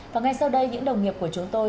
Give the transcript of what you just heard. và ngay sau đây những đồng nghiệp của chúng tôi